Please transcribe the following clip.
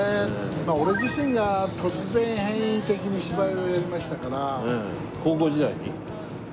まあ俺自身が突然変異的に芝居をやりましたから。